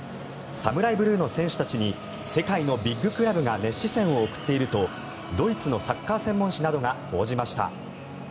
ＳＡＭＵＲＡＩＢＬＵＥの選手たちに世界のビッグクラブが熱視線を送っているとドイツのサッカー専門紙などが報じました。